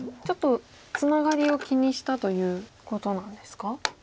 ちょっとツナガリを気にしたということなんですか？